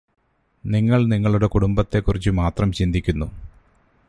നിങ്ങള് നിങ്ങളുടെ കുടുംബത്തെക്കുറിച്ചു മാത്രം ചിന്തിക്കുന്നു